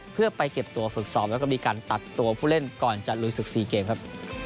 เพื่อไปเก็บตัวฝึกซ้อมแล้วก็มีการตัดตัวผู้เล่นก่อนจะลุยศึก๔เกมครับ